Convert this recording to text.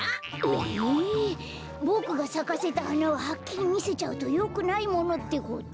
ええボクがさかせたはなははっきりみせちゃうとよくないものってこと？